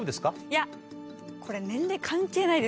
いやこれ年齢関係ないですから。